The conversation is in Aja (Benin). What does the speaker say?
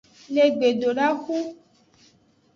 Le gbedodaxu.